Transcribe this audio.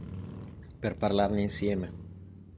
Per parlarne insieme’.